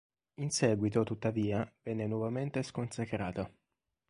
In seguito, tuttavia, venne nuovamente sconsacrata.